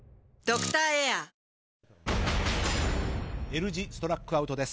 Ｌ字ストラックアウトです。